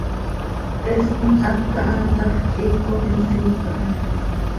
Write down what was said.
He smihaj caha tax, hiicot insiip aha.